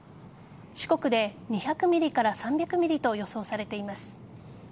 四国で２００ｍｍから３００ｍｍと予想されています。